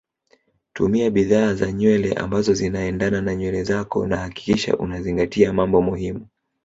Tumia bidhaa za nywele ambazo zinaendana na nywele zako na hakikisha unazingatia mambo muhimu